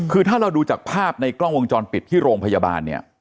คือถ้าเราดูจากภาพในกล้องวงจรปิดที่โรงพยาบาลเนี่ย